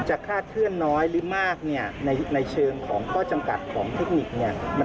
คาดเคลื่อนน้อยหรือมากเนี่ยในเชิงของข้อจำกัดของเทคนิคเนี่ย